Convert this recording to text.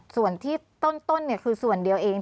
ส่วนที่ต้นคือส่วนเดียวเอง